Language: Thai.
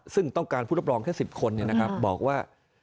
ซึ่งต้องการผู้รับรองแค่๑๐คนบอกว่า